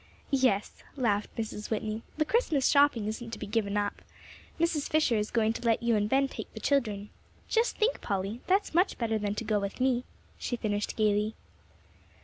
"Yes," laughed Mrs. Whitney, "the Christmas shopping isn't to be given up. Mrs. Fisher is going to let you and Ben take the children. Just think, Polly, that's much better than to go with me," she finished gayly.